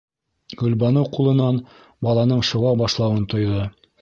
- Гөлбаныу ҡулынан балаһының шыуа башлауын тойҙо.